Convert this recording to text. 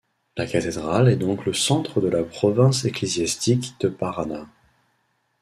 La cathédrale est donc le centre de la province ecclésiastique de Paraná.